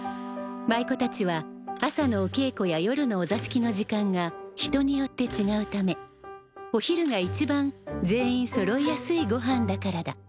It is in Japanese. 舞妓たちは朝のおけいこや夜のお座敷の時間が人によってちがうためお昼が一番全員そろいやすいごはんだからだ。